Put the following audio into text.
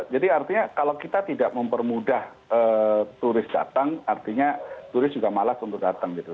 jadi artinya kalau kita tidak mempermudah turis datang artinya turis juga malas untuk datang gitu